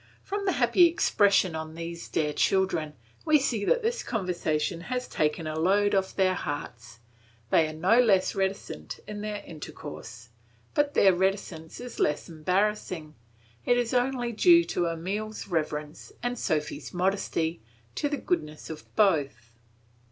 From the happy expression of these dear children we see that this conversation has taken a load off their hearts. They are no less reticent in their intercourse, but their reticence is less embarrassing, it is only due to Emile's reverence and Sophy's modesty, to the goodness of both.